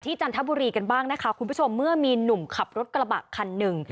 จันทบุรีกันบ้างนะคะคุณผู้ชมเมื่อมีหนุ่มขับรถกระบะคันหนึ่ง